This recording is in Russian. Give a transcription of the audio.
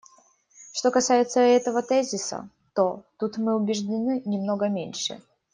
Что касается этого тезиса, то тут мы убеждены немного меньше.